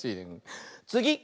つぎ！